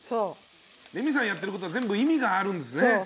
レミさんがやってることは全部、意味があるんですね。